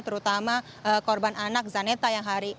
terutama korban anak zaneta yang hari